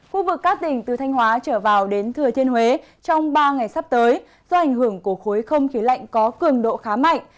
khu vực các tỉnh từ thanh hóa trở vào đến thừa thiên huế trong ba ngày sắp tới do ảnh hưởng của khối không khí lạnh có cường độ khá mạnh